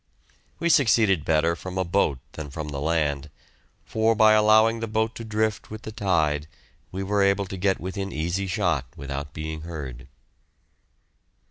We succeeded better from a boat than from the land, for by allowing the boat to drift with the tide we were able to get within easy shot without being heard.